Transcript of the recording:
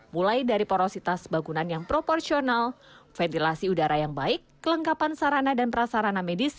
mulai dari porositas bangunan yang proporsional ventilasi udara yang baik kelengkapan sarana dan prasarana medis